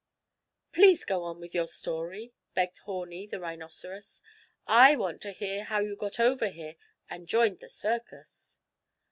"Please go on with your story," begged Horni, the rhinoceros. "I want to hear how you got over here, and joined the circus."